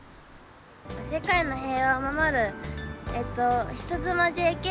世界の平和を守る、人妻ＪＫ！